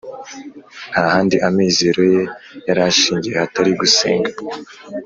nta handi amizero ye yarashingiye hatari gusenga